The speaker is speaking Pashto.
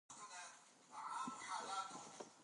زه ناکامي د زده کړي فرصت ګڼم.